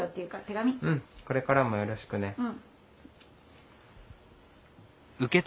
うんこれからもよろしくね。